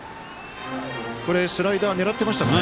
スライダーを狙ってましたかね。